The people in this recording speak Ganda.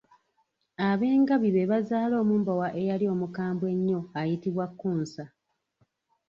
Ab'engabi be bazaala omumbowa eyali omukambwe ennyo ayitibwa Kkunsa.